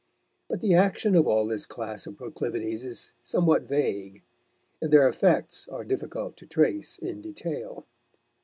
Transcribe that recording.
But the action of all this class of proclivities is somewhat vague, and their effects are difficult to trace in detail.